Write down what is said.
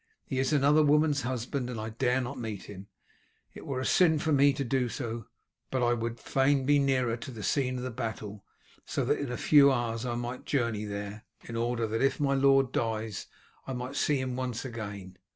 He is another woman's husband and I dare not meet him, it were sin for me to do so; but I would fain be nearer to the scene of battle, so that in a few hours I might journey there, in order that, if my lord dies, I might see him once again.